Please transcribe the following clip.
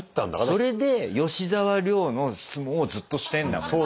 それで吉沢亮の質問をずっとしてんだもん。